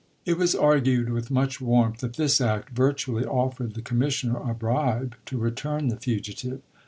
It was argued with much warmth that this act virtually offered the commissioner a bribe to return the fugitive.